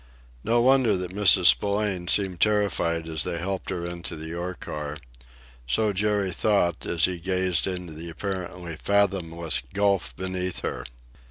No wonder that Mrs. Spillane seemed terrified as they helped her into the ore car so Jerry thought, as he gazed into the apparently fathomless gulf beneath her.